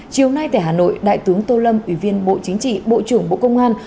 chiều nay tại hà nội đại tướng tô lâm ủy viên bộ chính trị bộ trưởng bộ công an